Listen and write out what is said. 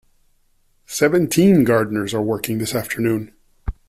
Seventeen gardeners are working this afternoon.